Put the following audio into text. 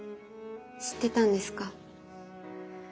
知ってたんですか？